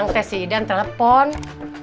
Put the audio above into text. gapapa aku gak tahu seperti apa ya